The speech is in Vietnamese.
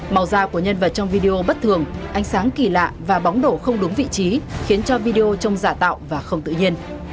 màu da của nhân vật trong video bất thường ánh sáng kỳ lạ và bóng đổ không đúng vị trí khiến cho video trông giả tạo và không tự nhiên